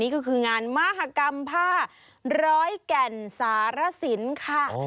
ก็คืองานมหากรรมผ้าร้อยแก่นสารสินค่ะ